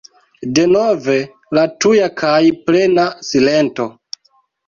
Denove la tuja kaj plena silento!